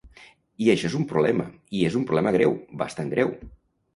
I això és un problema i és un problema greu, bastant greu.